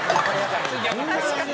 確かに。